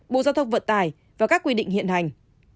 bộ giao thông vận tải và các quy định hiện hành